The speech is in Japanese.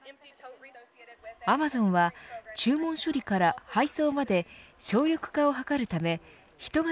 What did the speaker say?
アマゾンは注文処理から配送まで省力化を図るため人型